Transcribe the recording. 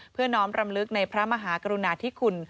น้อมรำลึกในพระมหากรุณาธิคุณ